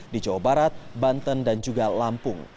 di jawa barat banten dan juga lampung